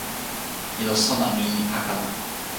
ilo sona mi li pakala.